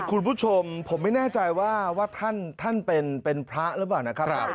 คุณผู้ชมผมไม่แน่ใจว่าท่านเป็นพระหรือเปล่านะครับ